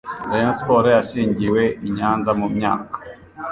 Rayon sports yashingiwe i Nyanza mu myaka